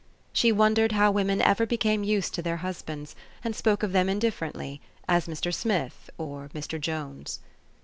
She wondered how women ever became used to their husbands, and spoke of them indifferently, as Mr. Smith or Mr. Jones.